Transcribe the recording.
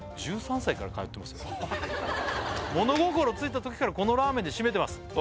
１３歳から通ってますよ「物心ついたときからこのラーメンで締めてます」